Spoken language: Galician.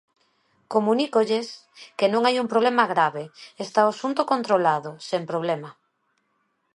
Comunícolles que non hai un problema grave, está o asunto controlado, sen problema.